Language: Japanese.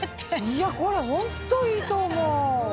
いやこれホントいいと思う！